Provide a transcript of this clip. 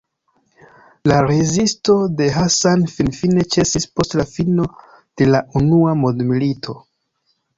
La rezisto de Hassan finfine ĉesis post la fino de la Unua Mondmilito.